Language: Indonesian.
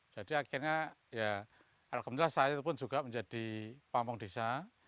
jadi akhirnya ya alhamdulillah saya pun juga menjadi pamung desa